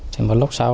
thì một lúc sau